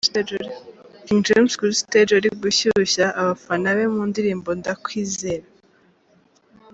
King James kuri stage ari gushyushya abafana be mu ndirimbo Ndakwizera.